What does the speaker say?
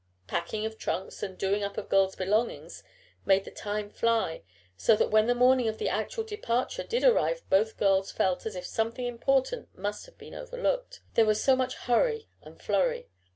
Packing of trunks and doing up of girls' belongings made the time fly, so that when the morning of the actual departure did arrive both girls felt as if something important must have been overlooked, there was so much hurry and flurry.